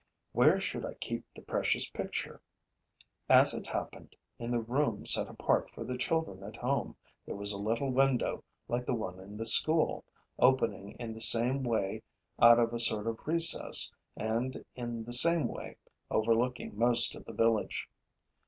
Where should I keep the precious picture? As it happened, in the room set apart for the children at home, there was a little window like the one in the school, opening in the same way out of a sort of recess and in the same way overlooking most of the village.